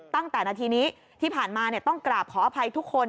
ตั้งแต่นาทีนี้ที่ผ่านมาต้องกราบขออภัยทุกคน